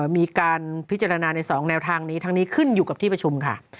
มีการพิจารณาใน๒แนวทางนี้ทั้งนี้ขึ้นอยู่กับที่ประชุมค่ะ